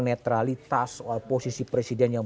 netralitas posisi presiden yang